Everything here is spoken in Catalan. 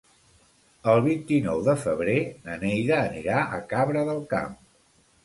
El vint-i-nou de febrer na Neida anirà a Cabra del Camp.